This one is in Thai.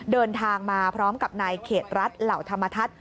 เดินทางมาพร้อมกับนายเขตรัฐเหล่าธรรมทัศน์